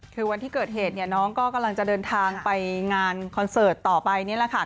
คือวันที่เกิดเหตุน้องก็กำลังจะเดินทางไปงานคอนเสิร์ตต่อไปนี่แหละค่ะ